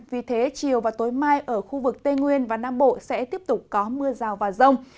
vì thế chiều và tối mai ở khu vực tây nguyên và nam bộ sẽ tiếp tục có mưa rào và rông